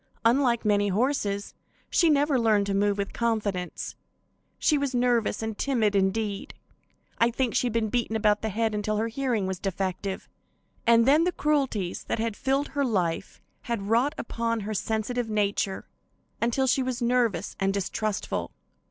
Unlike many horses, she never learned to move with confidence. She was nervous and timid; indeed, I think she had been beaten about the head until her hearing was defective, and then the cruelties that had filled her life had wrought upon her sensitive nature until she was nervous and distrustful.